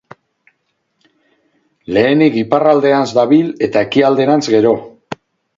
Lehenik iparralderantz dabil eta ekialderantz gero.